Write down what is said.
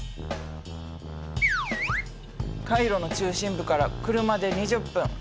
カイロの中心部から車で２０分。